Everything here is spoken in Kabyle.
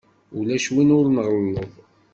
Ulac win ur nɣelleḍ.